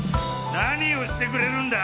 何をしてくれるんだ？